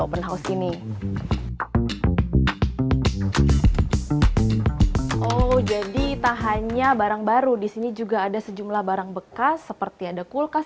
open house ini oh jadi tak hanya barang baru di sini juga ada sejumlah barang bekas seperti ada kulkas